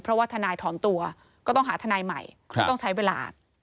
เพราะว่าทนายถอนตัวก็ต้องหาทนายใหม่ก็ต้องใช้เวลา